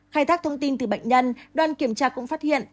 khai thác thông tin từ bệnh nhân đoàn kiểm tra cũng phát hiện